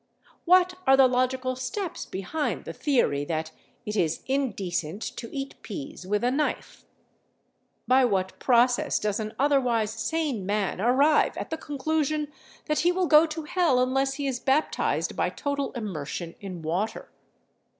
What are the logical steps behind the theory that it is indecent to eat peas with a knife? By what process does an otherwise sane man arrive at the conclusion that he will go to hell unless he is baptized by total immersion in water?